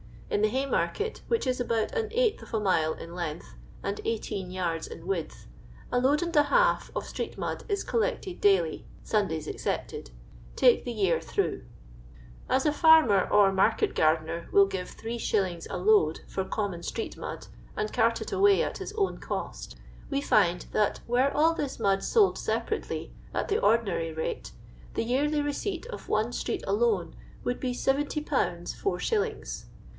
In the Haymarkct. which is about an eighth of a mile in length, and 18 yards in width, a load and a half of street mud is collected daily (Sun days excepted), take the year through. As a farmer or market gnrdener will give 3«. a load for common street mud, and cart it away at his own cost, we find that were all this mud sold sepa rately, at the ordinary rate, the yearly receipt for one street alone would be 70/. is.